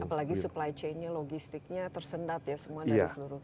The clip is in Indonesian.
apalagi supply chainnya logistiknya tersendat ya semua dari seluruh dunia